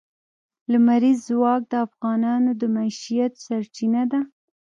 لمریز ځواک د افغانانو د معیشت سرچینه ده.